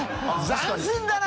斬新だな！